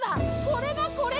これだこれ！